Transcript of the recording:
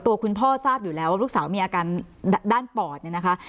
ตัวคุณพ่อทราบอยู่แล้วว่าลูกสาวมีอาการด้านปอดเนี่ยนะคะ